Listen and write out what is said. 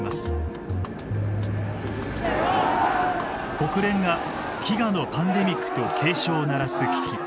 国連が飢餓のパンデミックと警鐘を鳴らす危機。